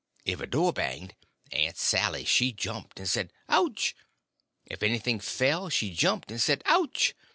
If a door banged, Aunt Sally she jumped and said "ouch!" if anything fell, she jumped and said "ouch!"